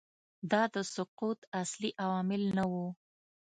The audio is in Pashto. دا د سقوط اصلي عوامل نه وو